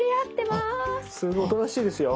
すごいおとなしいですよ。